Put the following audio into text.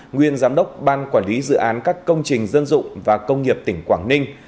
nguyên giám đốc ban quản lý dự án các công trình dân dụng và công nghiệp tỉnh quảng ninh